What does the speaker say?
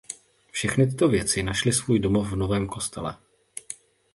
Všechny tyto věci našly svůj domov v novém kostele.